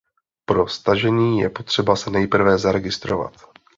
Pro stažení je potřeba se nejprve zaregistrovat.